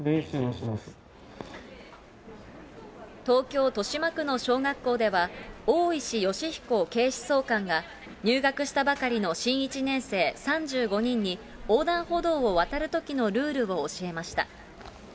東京・豊島区の小学校では、大石吉彦警視総監が、入学したばかりの新１年生３５人に、横断歩道を渡るときのルールを教えました。